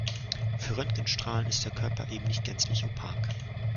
Für Röntgenstrahlen ist der Körper eben nicht gänzlich opak.